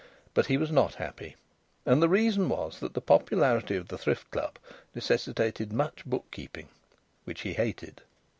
But he was not happy. And the reason was that the popularity of the Thrift Club necessitated much book keeping, which he hated.